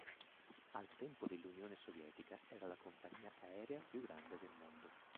Al tempo dell'Unione Sovietica era la compagnia aerea più grande del mondo.